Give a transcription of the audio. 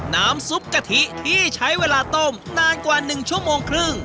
น้ำซุปกะทิที่ใช้เวลาต้มนานกว่า๑ชั่วโมงครึ่ง